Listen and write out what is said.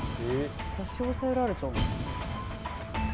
差し押さえられちゃうの？